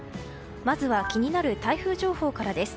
まずは気になる台風情報からです。